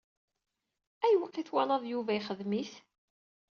Ayweq i twalaḍ Yuba ixeddem-it?